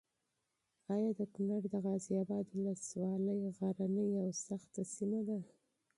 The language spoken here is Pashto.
ایا د کونړ د غازي اباد ولسوالي غرنۍ او سخته سیمه ده؟